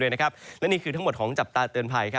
และนี่คือทั้งหมดของจับตาเตือนภัย